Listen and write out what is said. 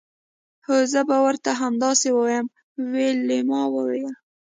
هو زه به ورته همداسې ووایم ویلما وویل